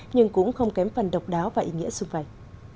nhưng cũng không kém phần độc đáo và ý nghĩa xung vầy